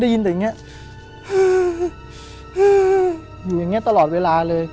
อยู่อย่างนี้ตลอดเวลาเลย